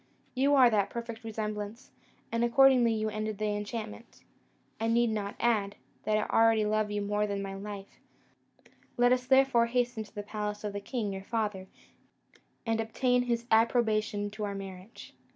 You are that perfect resemblance; and accordingly you ended the enchantment. I need not add, that I already love you more than my life; let us therefore hasten to the palace of the king your father, and obtain his approbation to our marriage."